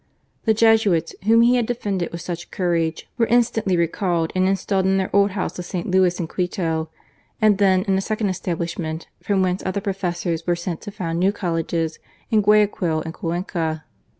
The Jesuits, whom he had defended with such courage, were instantly recalled and installed in their old house of St. Louis in Quito, and then in a second estab lishment, from whence other professors were sent to found new colleges in Guayaquil and Cuenca.